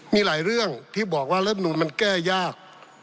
มีหลายเรื่องที่บอกว่ารัฐมนุนมันแก้ยาก